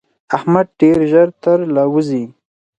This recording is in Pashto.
احمد ډېر ژر تر له وزي.